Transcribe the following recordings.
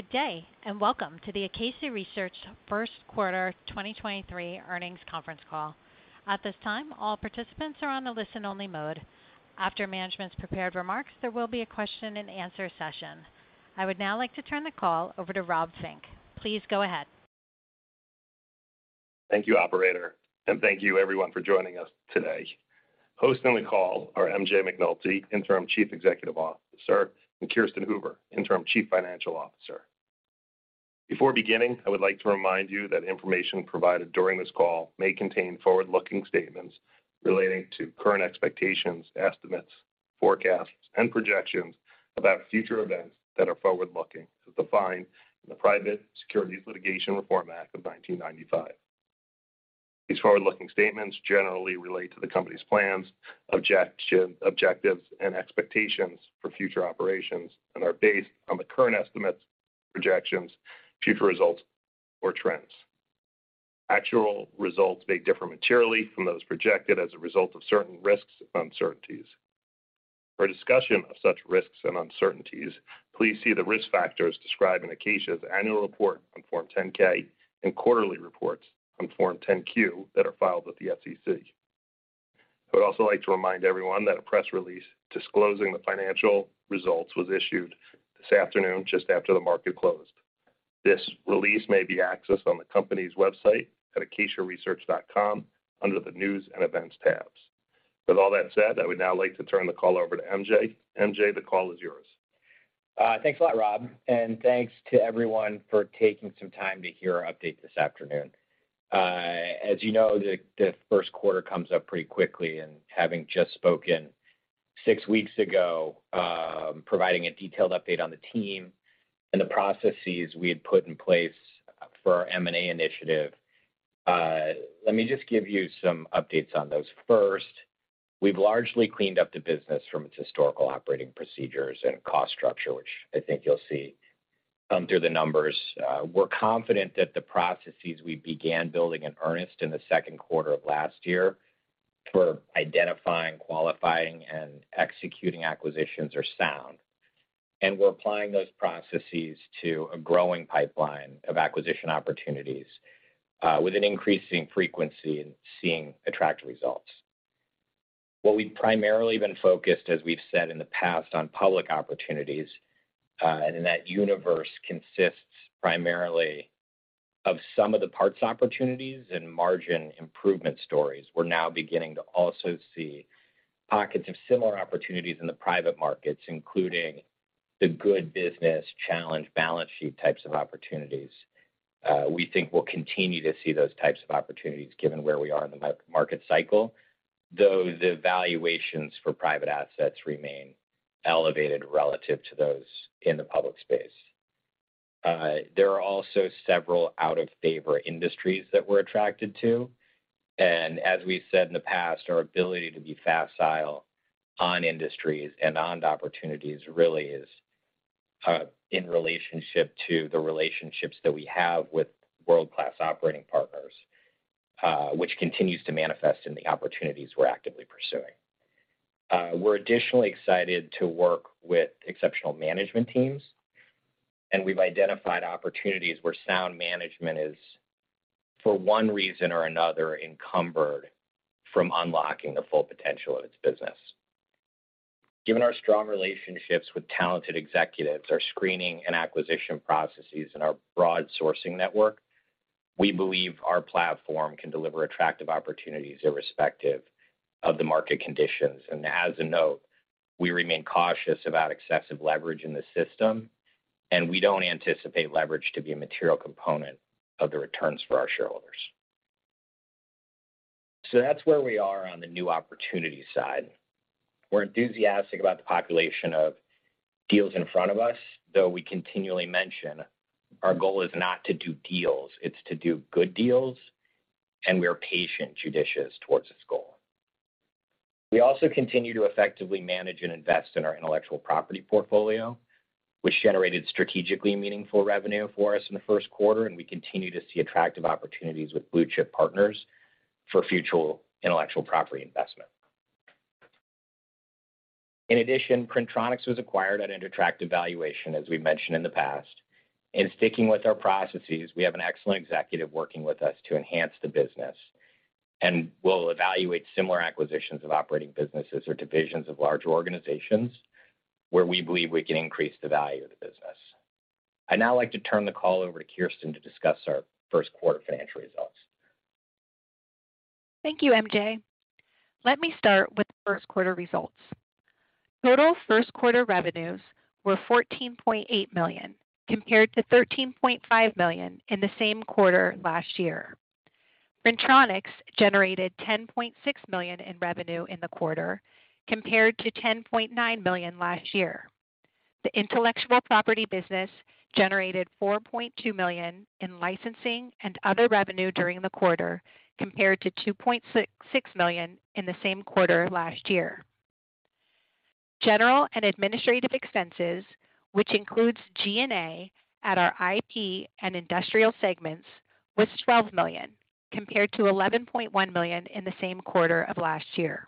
Good day, welcome to the Acacia Research First Quarter 2023 Earnings Conference Call. At this time, all participants are on the listen-only mode. After management's prepared remarks, there will be a question and answer session. I would now like to turn the call over to Rob Fink. Please go ahead. Thank you, operator. Thank you everyone for joining us today. Hosting the call are MJ McNulty, Interim Chief Executive Officer, and Kirsten Hoover, Interim Chief Financial Officer. Before beginning, I would like to remind you that information provided during this call may contain forward-looking statements relating to current expectations, estimates, forecasts, and projections about future events that are forward-looking, as defined in the Private Securities Litigation Reform Act of 1995. These forward-looking statements generally relate to the company's plans, objectives, and expectations for future operations and are based on the current estimates, projections, future results, or trends. Actual results may differ materially from those projected as a result of certain risks and uncertainties. For a discussion of such risks and uncertainties, please see the risk factors described in Acacia's annual report on Form 10-K and quarterly reports on Form 10-Q that are filed with the SEC. I would also like to remind everyone that a press release disclosing the financial results was issued this afternoon just after the market closed. This release may be accessed on the company's website at acaciaresearch.com under the News and Events tabs. With all that said, I would now like to turn the call over to MJ. MJ, the call is yours. Thanks a lot, Rob, and thanks to everyone for taking some time to hear our update this afternoon. As you know, the first quarter comes up pretty quickly, and having just spoken six weeks ago, providing a detailed update on the team and the processes we had put in place for our M&A initiative, let me just give you some updates on those first. We've largely cleaned up the business from its historical operating procedures and cost structure, which I think you'll see come through the numbers. We're confident that the processes we began building in earnest in the second quarter of last year for identifying, qualifying, and executing acquisitions are sound. We're applying those processes to a growing pipeline of acquisition opportunities, with an increasing frequency in seeing attractive results. While we've primarily been focused, as we've said in the past, on public opportunities, and that universe consists primarily of some of the parts opportunities and margin improvement stories, we're now beginning to also see pockets of similar opportunities in the private markets, including the good business challenge balance sheet types of opportunities. We think we'll continue to see those types of opportunities given where we are in the market cycle, though the valuations for private assets remain elevated relative to those in the public space. There are also several out-of-favor industries that we're attracted to. As we said in the past, our ability to be facile on industries and on opportunities really is in relationship to the relationships that we have with world-class operating partners, which continues to manifest in the opportunities we're actively pursuing. We're additionally excited to work with exceptional management teams, we've identified opportunities where sound management is, for one reason or another, encumbered from unlocking the full potential of its business. Given our strong relationships with talented executives, our screening and acquisition processes, and our broad sourcing network, we believe our platform can deliver attractive opportunities irrespective of the market conditions. As a note, we remain cautious about excessive leverage in the system, and we don't anticipate leverage to be a material component of the returns for our shareholders. That's where we are on the new opportunity side. We're enthusiastic about the population of deals in front of us, though we continually mention our goal is not to do deals, it's to do good deals, and we are patient, judicious towards this goal. We also continue to effectively manage and invest in our intellectual property portfolio, which generated strategically meaningful revenue for us in the first quarter. We continue to see attractive opportunities with blue-chip partners for future intellectual property investment. In addition, Printronix was acquired at an attractive valuation, as we've mentioned in the past. In sticking with our processes, we have an excellent executive working with us to enhance the business. We'll evaluate similar acquisitions of operating businesses or divisions of larger organizations where we believe we can increase the value of the business. I'd now like to turn the call over to Kirsten to discuss our first quarter financial results. Thank you, MJ. Let me start with first quarter results. Total first quarter revenues were $14.8 million, compared to $13.5 million in the same quarter last year. Printronix generated $10.6 million in revenue in the quarter, compared to $10.9 million last year. The intellectual property business generated $4.2 million in licensing and other revenue during the quarter, compared to $2.66 million in the same quarter last year. General and administrative expenses, which includes G&A at our IP and industrial segments, was $12 million, compared to $11.1 million in the same quarter of last year.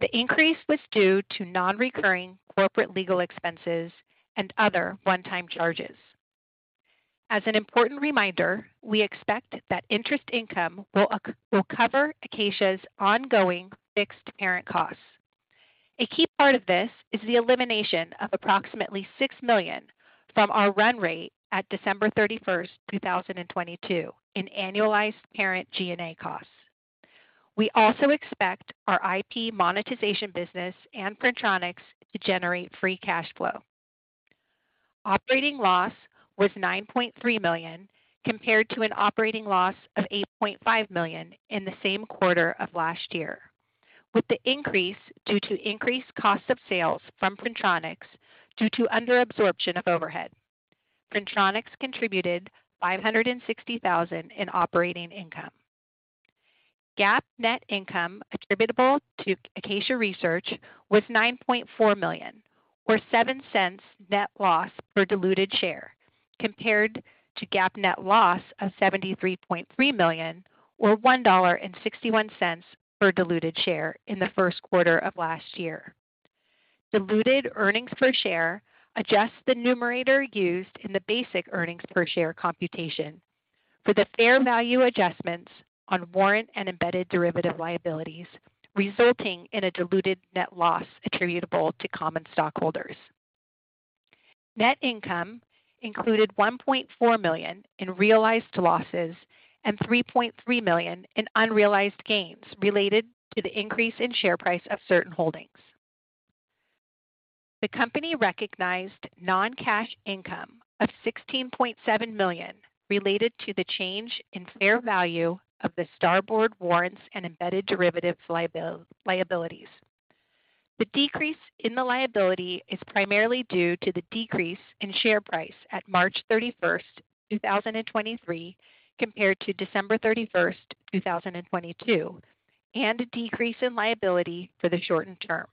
The increase was due to non-recurring corporate legal expenses and other one-time charges. As an important reminder, we expect that interest income will cover Acacia's ongoing fixed parent costs. A key part of this is the elimination of approximately $6 million from our run rate at December 31st, 2022 in annualized parent G&A costs. We also expect our IP monetization business and Printronix to generate free cash flow. Operating loss was $9.3 million compared to an operating loss of $8.5 million in the same quarter of last year. With the increase due to increased cost of sales from Printronix due to under absorption of overhead. Printronix contributed $560,000 in operating income. GAAP net income attributable to Acacia Research was $9.4 million, or $0.07 net loss per diluted share, compared to GAAP net loss of $73.3 million or $1.61 per diluted share in the first quarter of last year. Diluted earnings per share adjusts the numerator used in the basic earnings per share computation for the fair value adjustments on warrant and embedded derivative liabilities, resulting in a diluted net loss attributable to common stockholders. Net income included $1.4 million in realized losses and $3.3 million in unrealized gains related to the increase in share price of certain holdings. The company recognized non-cash income of $16.7 million related to the change in fair value of the Starboard warrants and embedded derivative liabilities. The decrease in the liability is primarily due to the decrease in share price at March 31st, 2023, compared to December 31st, 2022, and a decrease in liability for the shortened term.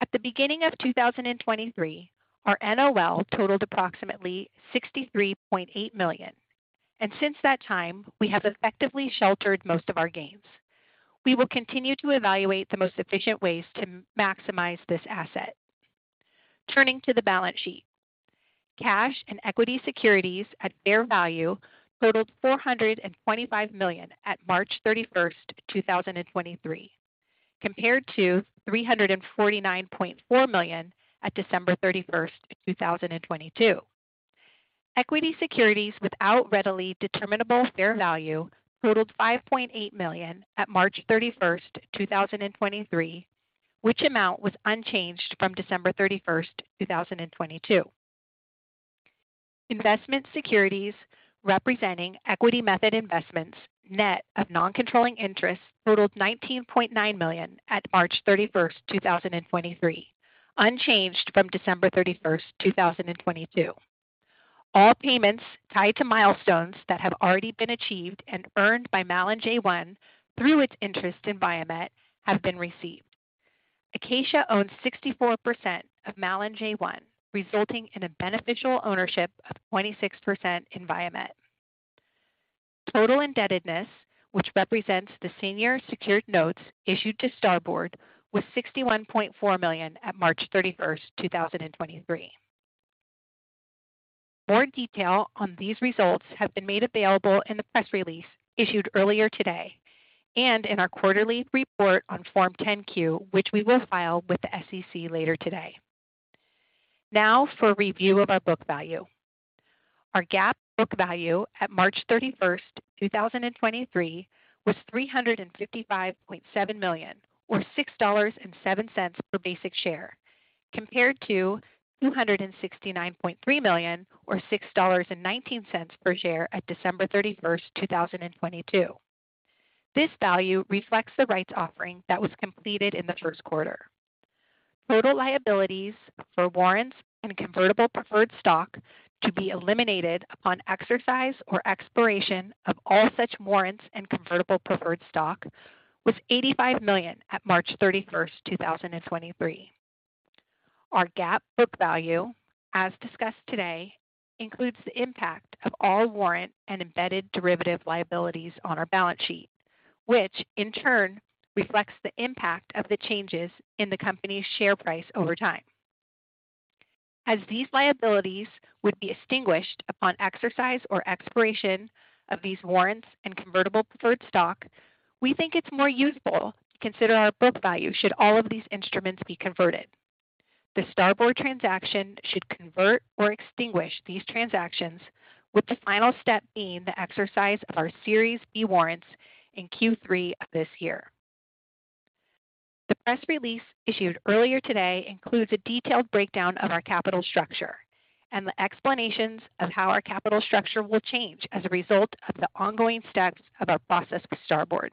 At the beginning of 2023, our NOL totaled approximately $63.8 million, and since that time, we have effectively sheltered most of our gains. We will continue to evaluate the most efficient ways to maximize this asset. Turning to the balance sheet. Cash and equity securities at fair value totaled $425 million at March 31st, 2023, compared to $349.4 million at December 31st, 2022. Equity securities without readily determinable fair value totaled $5.8 million at March 31st, 2023, which amount was unchanged from December 31st, 2022. Investment securities representing equity method investments, net of non-controlling interest, totaled $19.9 million at March 31st, 2023, unchanged from December 31st, 2022. All payments tied to milestones that have already been achieved and earned by MalinJ1 through its interest in Viamet have been received. Acacia owns 64% of MalinJ1, resulting in a beneficial ownership of 26% in Viamet. Total indebtedness, which represents the senior secured notes issued to Starboard, was $61.4 million at March 31st, 2023. More detail on these results have been made available in the press release issued earlier today and in our quarterly report on Form 10-Q, which we will file with the SEC later today. For a review of our book value. Our GAAP book value at March 31st, 2023 was $355.7 million or $6.07 per basic share, compared to $269.3 million or $6.19 per share at December 31st, 2022. This value reflects the rights offering that was completed in the first quarter. Total liabilities for warrants and convertible preferred stock to be eliminated upon exercise or expiration of all such warrants and convertible preferred stock was $85 million at March 31st, 2023. Our GAAP book value, as discussed today, includes the impact of all warrant and embedded derivative liabilities on our balance sheet, which in turn reflects the impact of the changes in the company's share price over time. As these liabilities would be extinguished upon exercise or expiration of these warrants and convertible preferred stock, we think it's more useful to consider our book value should all of these instruments be converted. The Starboard transaction should convert or extinguish these transactions, with the final step being the exercise of our Series B warrants in Q3 of this year. The press release issued earlier today includes a detailed breakdown of our capital structure and the explanations of how our capital structure will change as a result of the ongoing steps of our process with Starboard.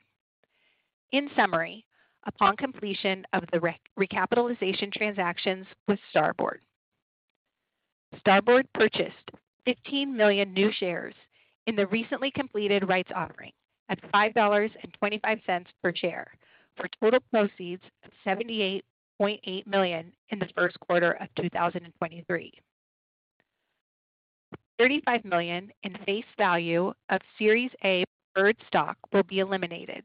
In summary, upon completion of the recapitalization transactions with Starboard purchased 15 million new shares in the recently completed rights offering at $5.25 per share for total proceeds of $78.8 million in the first quarter of 2023. $35 million in face value of Series A preferred stock will be eliminated,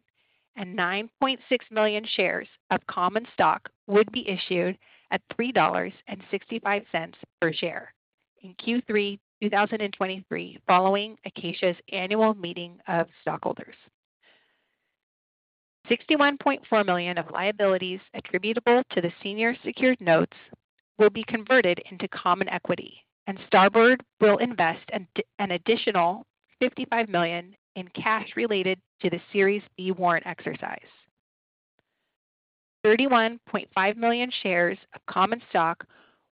9.6 million shares of common stock would be issued at $3.65 per share in Q3 2023, following Acacia's annual meeting of stockholders. $61.4 million of liabilities attributable to the senior secured notes will be converted into common equity, Starboard will invest an additional $55 million in cash related to the Series B warrant exercise. 31.5 million shares of common stock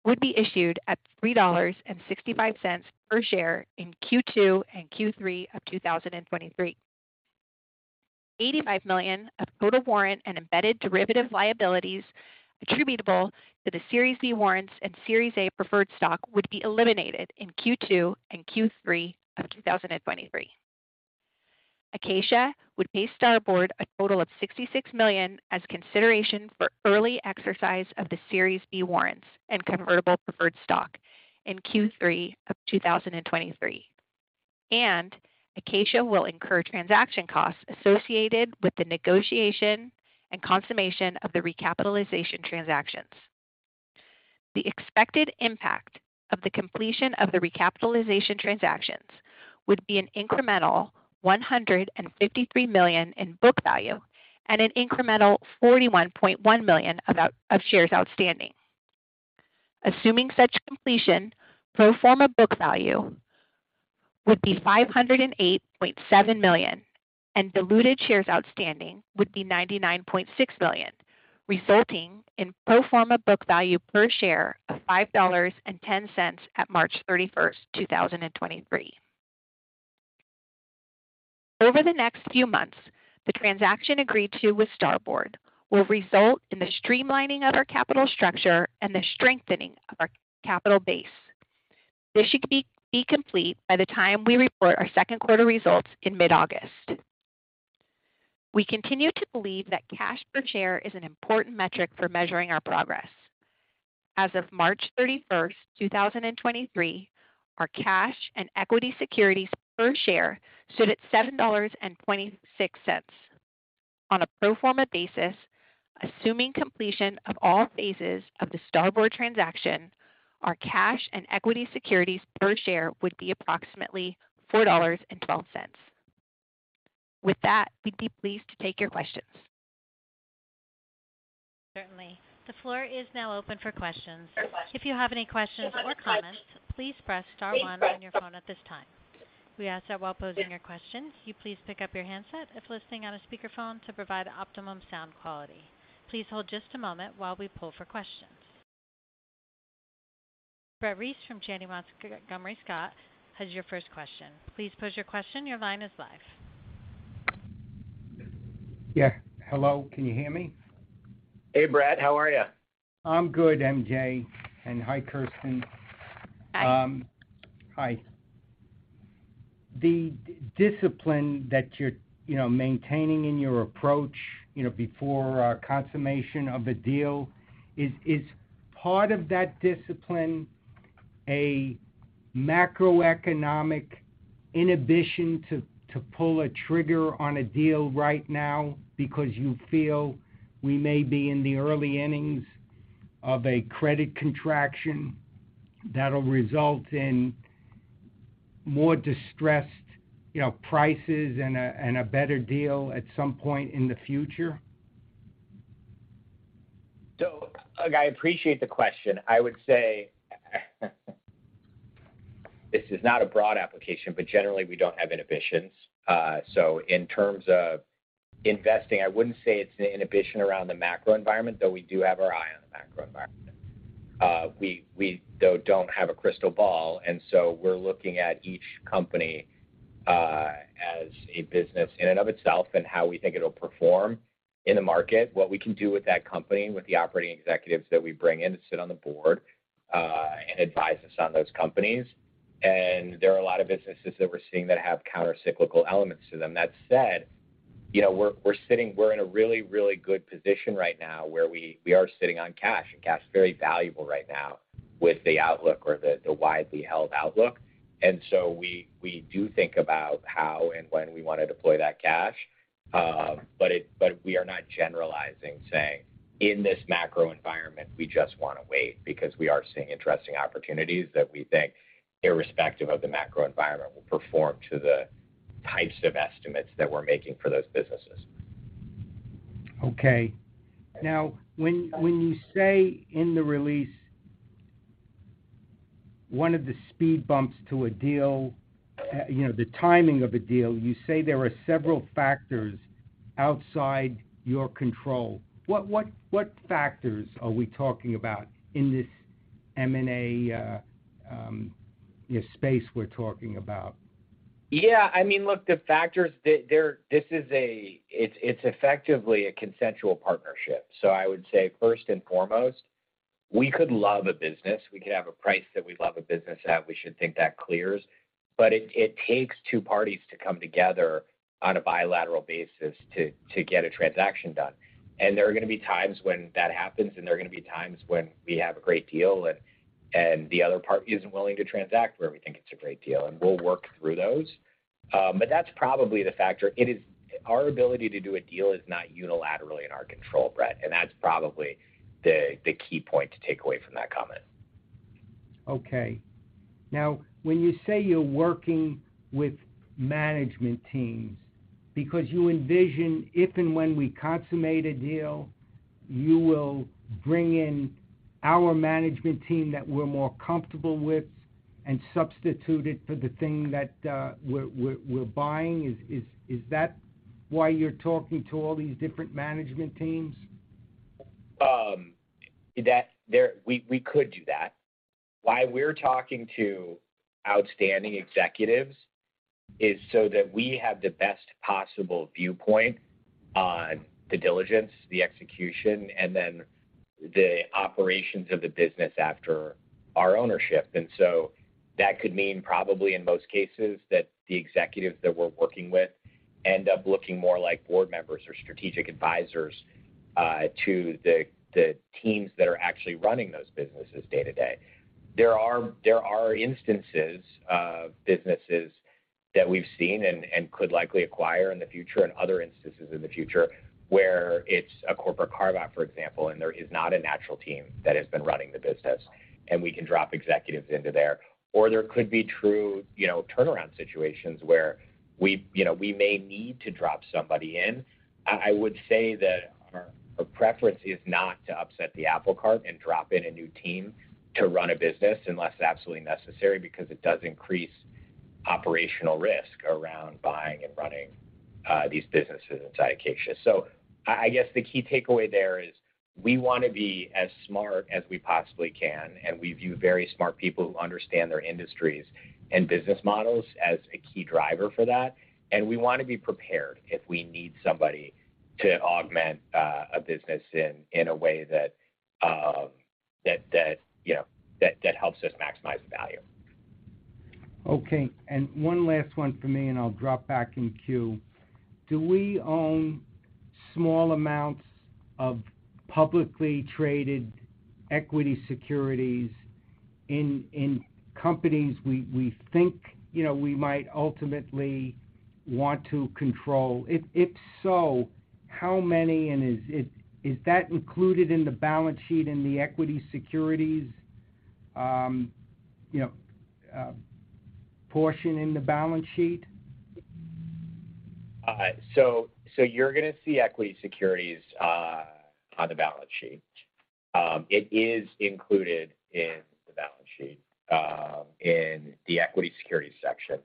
would be issued at $3.65 per share in Q2 and Q3 of 2023. $85 million of total warrant and embedded derivative liabilities attributable to the Series C warrants and Series A preferred stock would be eliminated in Q2 and Q3 of 2023. Acacia would pay Starboard a total of $66 million as consideration for early exercise of the Series B warrants and convertible preferred stock in Q3 of 2023. Acacia will incur transaction costs associated with the negotiation and consummation of the recapitalization transactions. The expected impact of the completion of the recapitalization transactions would be an incremental $153 million in book value and an incremental 41.1 million of shares outstanding. Assuming such completion, pro forma book value would be $508.7 million, and diluted shares outstanding would be 99.6 million, resulting in pro forma book value per share of $5.10 at March 31st, 2023. Over the next few months, the transaction agreed to with Starboard will result in the streamlining of our capital structure and the strengthening of our capital base. This should be complete by the time we report our second quarter results in mid-August. We continue to believe that cash per share is an important metric for measuring our progress. As of March 31st, 2023, our cash and equity securities per share stood at $7.26. On a pro forma basis, assuming completion of all phases of the Starboard transaction, our cash and equity securities per share would be approximately $4.12. With that, we'd be pleased to take your questions. Certainly. The floor is now open for questions. If you have any questions or comments, please press star one on your phone at this time. We ask that while posing your questions, you please pick up your handset if listening on a speakerphone to provide optimum sound quality. Please hold just a moment while we pull for questions. Brett Reiss from Janney Montgomery Scott, has your first question. Please pose your question. Your line is live. Yeah. Hello? Can you hear me? Hey, Brett. How are ya? I'm good, MJ. Hi, Kirsten. Hi. Hi. The discipline that you're, you know, maintaining in your approach, you know, before consummation of a deal, is part of that discipline a macroeconomic inhibition to pull a trigger on a deal right now because you feel we may be in the early innings of a credit contraction that'll result in more distressed, you know, prices and a better deal at some point in the future? Look, I appreciate the question. I would say this is not a broad application, but generally we don't have inhibitions. In terms of investing, I wouldn't say it's an inhibition around the macro environment, though we do have our eye on the macro environment. We though don't have a crystal ball, and so we're looking at each company as a business in and of itself and how we think it'll perform in the market, what we can do with that company, with the operating executives that we bring in to sit on the board and advise us on those companies. There are a lot of businesses that we're seeing that have countercyclical elements to them. That said, you know, we're in a really, really good position right now where we are sitting on cash, and cash is very valuable right now with the outlook or the widely held outlook. We are not generalizing, saying, "In this macro environment, we just wanna wait," because we are seeing interesting opportunities that we think irrespective of the macro environment will perform to the types of estimates that we're making for those businesses. Okay. Now when you say in the release one of the speed bumps to a deal, you know, the timing of a deal, you say there are several factors outside your control. What factors are we talking about in this M&A, you know, space we're talking about? Yeah, I mean, look, the factors it's effectively a consensual partnership. I would say first and foremost, we could love a business, we could have a price that we love a business at, we should think that clears. But it takes two parties to come together on a bilateral basis to get a transaction done. There are gonna be times when that happens, and there are gonna be times when we have a great deal and the other party isn't willing to transact where we think it's a great deal, and we'll work through those. That's probably the factor. Our ability to do a deal is not unilaterally in our control, Brett, and that's probably the key point to take away from that comment. Okay. When you say you're working with management teams because you envision if and when we consummate a deal, you will bring in our management team that we're more comfortable with and substitute it for the thing that we're buying. Is that why you're talking to all these different management teams? We could do that. Why we're talking to outstanding executives is so that we have the best possible viewpoint on the diligence, the execution, and then the operations of the business after our ownership. That could mean probably in most cases that the executives that we're working with end up looking more like board members or strategic advisors to the teams that are actually running those businesses day-to-day. There are instances of businesses that we've seen and could likely acquire in the future and other instances in the future where it's a corporate carve-out, for example, and there is not a natural team that has been running the business, and we can drop executives into there. There could be true, you know, turnaround situations where we, you know, may need to drop somebody in. I would say that our preference is not to upset the apple cart and drop in a new team to run a business unless absolutely necessary because it does increase operational risk around buying and running these businesses inside Acacia. I guess, the key takeaway there is we wanna be as smart as we possibly can, and we view very smart people who understand their industries and business models as a key driver for that. We wanna be prepared if we need somebody to augment a business in a way that, you know, that helps us maximize the value. Okay. One last one for me, and I'll drop back in queue. Do we own small amounts of publicly traded equity securities in companies we think, you know, we might ultimately want to control? If so, how many and Is that included in the balance sheet in the equity securities, you know, portion in the balance sheet? You're gonna see equity securities on the balance sheet. It is included in the balance sheet in the equity security section.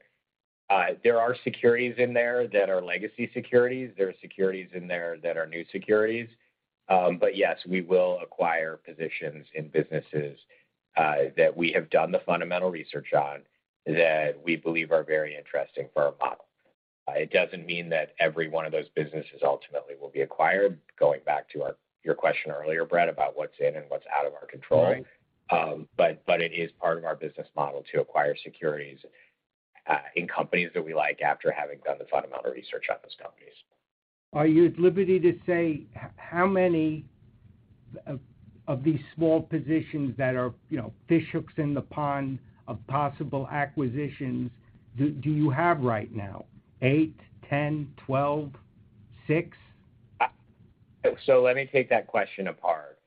There are securities in there that are legacy securities. There are securities in there that are new securities. Yes, we will acquire positions in businesses that we have done the fundamental research on that we believe are very interesting for our model. It doesn't mean that every one of those businesses ultimately will be acquired, going back to your question earlier, Brett, about what's in and what's out of our control. Right. It is part of our business model to acquire securities in companies that we like after having done the fundamental research on those companies. Are you at liberty to say how many of these small positions that are, you know, fish hooks in the pond of possible acquisitions do you have right now? eight, 10, 12, six? Let me take that question apart.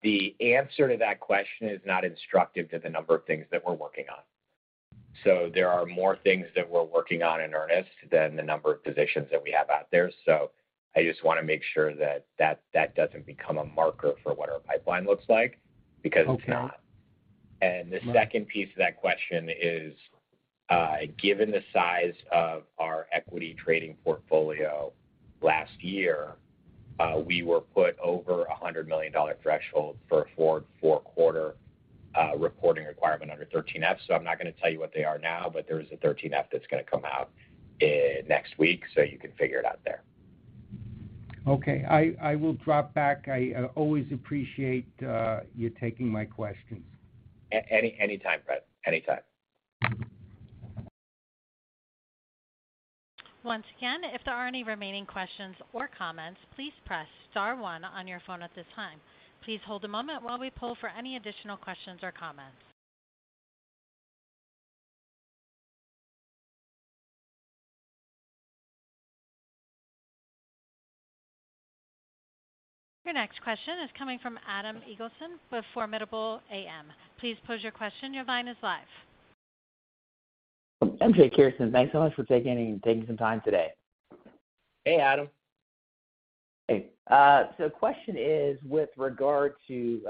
The answer to that question is not instructive to the number of things that we're working on. There are more things that we're working on in earnest than the number of positions that we have out there. I just wanna make sure that doesn't become a marker for what our pipeline looks like. Okay. It's not. Right. The second piece of that question is, given the size of our equity trading portfolio last year, we were put over a $100 million threshold for a four consecutive quarterly reporting requirement under Form 13F. I'm not gonna tell you what they are now, but there is a Form 13F that's gonna come out next week, so you can figure it out there. Okay. I will drop back. I always appreciate you taking my questions. Anytime, Brett. Anytime. Once again, if there are any remaining questions or comments, please press star one on your phone at this time. Please hold a moment while we poll for any additional questions or comments. Your next question is coming from Adam Eagleston with Formidable AM. Please pose your question. Your line is live. MJ, Kirsten, thanks so much for taking some time today. Hey, Adam. Hey. Question is with regard to,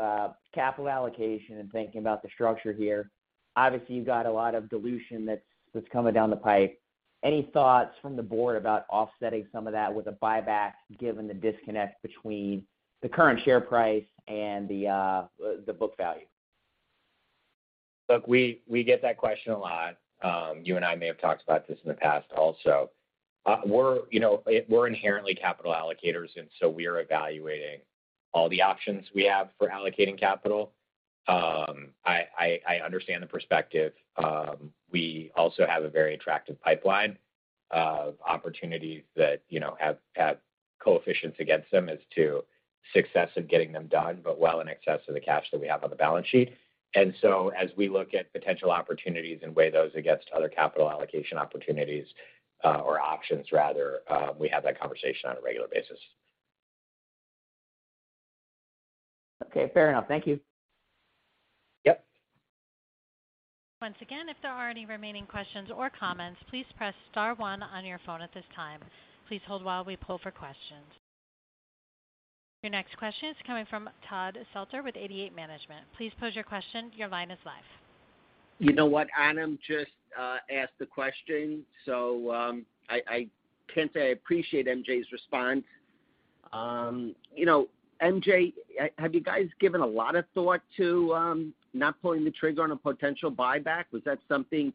capital allocation and thinking about the structure here. Obviously, you've got a lot of dilution that's coming down the pipe. Any thoughts from the board about offsetting some of that with a buyback given the disconnect between the current share price and the book value? Look, we get that question a lot. You and I may have talked about this in the past also. We're, you know, we're inherently capital allocators, and so we're evaluating all the options we have for allocating capital. I understand the perspective. We also have a very attractive pipeline of opportunities that, you know, have coefficients against them as to success of getting them done, but well in excess of the cash that we have on the balance sheet. As we look at potential opportunities and weigh those against other capital allocation opportunities, or options rather, we have that conversation on a regular basis. Okay, fair enough. Thank you. Yep. Once again, if there are any remaining questions or comments, please press star one on your phone at this time. Please hold while we pull for questions. Your next question is coming from Todd Retter with Eighty-eight Management. Please pose your question. Your line is live. You know what? Adam just asked the question, so I can say I appreciate MJ's response. You know, MJ, have you guys given a lot of thought to not pulling the trigger on a potential buyback? Was that something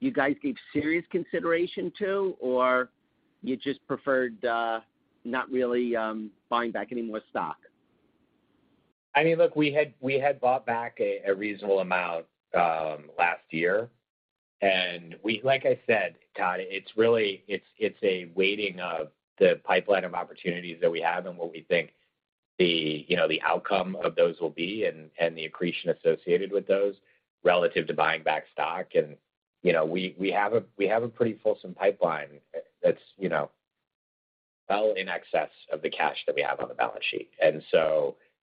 you guys gave serious consideration to, or you just preferred not really buying back any more stock? I mean, look, we had bought back a reasonable amount last year. Like I said, Todd, it's really a weighting of the pipeline of opportunities that we have and what we think the, you know, the outcome of those will be and the accretion associated with those relative to buying back stock. You know, we have a pretty fulsome pipeline that's, you know, well in excess of the cash that we have on the balance sheet.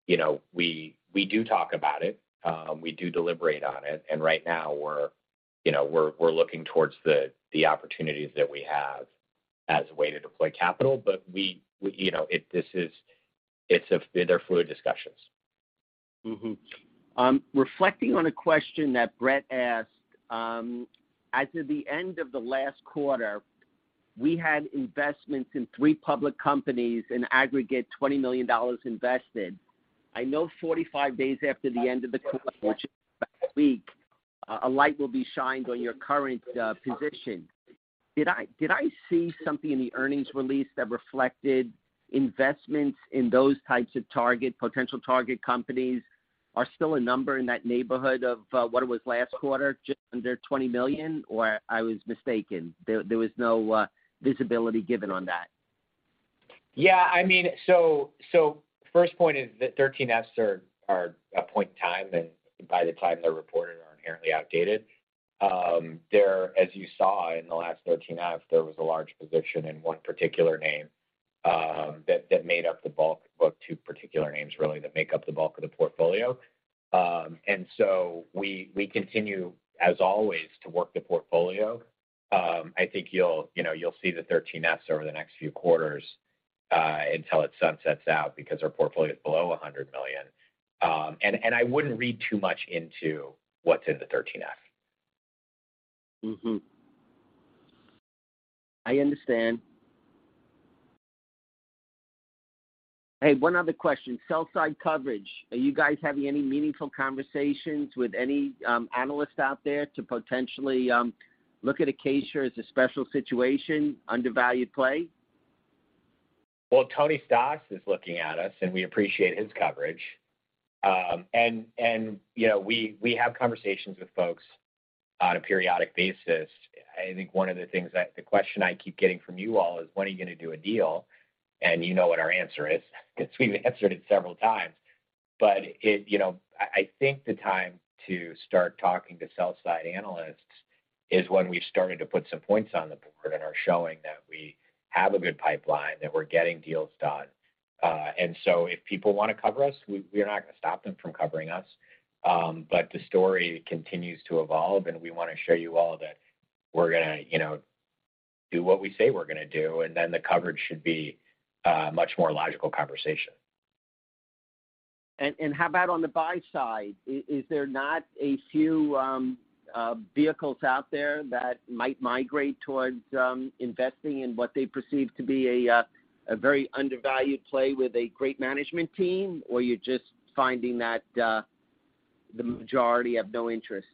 You know, we do talk about it. We do deliberate on it. Right now we're, you know, looking towards the opportunities that we have as a way to deploy capital. You know, they're fluid discussions. Reflecting on a question that Brett asked, as of the end of the last quarter, we had investments in three public companies, in aggregate, $20 million invested. I know 45 days after the end of the quarter, which is last week, a light will be shined on your current position. Did I see something in the earnings release that reflected investments in those types of potential target companies are still a number in that neighborhood of what it was last quarter, just under $20 million, or I was mistaken? There was no visibility given on that. Yeah, I mean. First point is that 13Fs are a point in time, and by the time they're reported are inherently outdated. As you saw in the last 13F, there was a large position in one particular name, that made up the bulk of two particular names, really that make up the bulk of the portfolio. We continue, as always, to work the portfolio. I think you'll, you know, you'll see the 13Fs over the next few quarters, until it sunsets out because our portfolio is below $100 million. I wouldn't read too much into what's in the 13F. Mm-hmm. I understand. Hey, one other question. Sell side coverage. Are you guys having any meaningful conversations with any analysts out there to potentially look at Acacia as a special situation, undervalued play? Well, Anthony Stoss is looking at us, and we appreciate his coverage. You know, we have conversations with folks on a periodic basis. I think one of the things that the question I keep getting from you all is, when are you gonna do a deal? You know what our answer is because we've answered it several times. You know, I think the time to start talking to sell side analysts is when we've started to put some points on the board and are showing that we have a good pipeline, that we're getting deals done. If people wanna cover us, we're not gonna stop them from covering us. The story continues to evolve, and we wanna show you all that we're gonna, you know, do what we say we're gonna do, the coverage should be much more logical conversation. How about on the buy side? Is there not a few vehicles out there that might migrate towards investing in what they perceive to be a very undervalued play with a great management team, or you're just finding that the majority have no interest?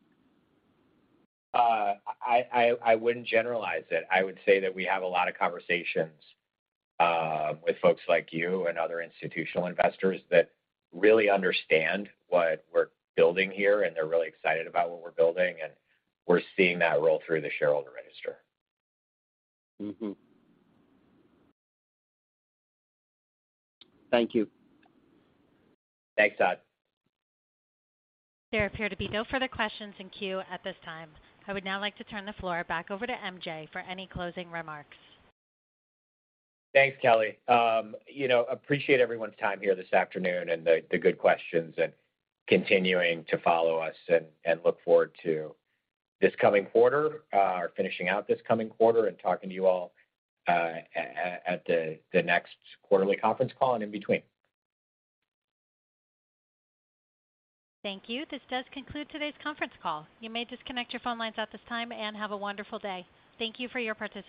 I wouldn't generalize it. I would say that we have a lot of conversations with folks like you and other institutional investors that really understand what we're building here. They're really excited about what we're building. We're seeing that roll through the shareholder register. Mm-hmm. Thank you. Thanks, Todd. There appear to be no further questions in queue at this time. I would now like to turn the floor back over to MJ for any closing remarks. Thanks, Kelly. You know, appreciate everyone's time here this afternoon and the good questions and continuing to follow us and look forward to this coming quarter, or finishing out this coming quarter and talking to you all at the next quarterly conference call and in between. Thank you. This does conclude today's conference call. You may disconnect your phone lines at this time, and have a wonderful day. Thank you for your participation.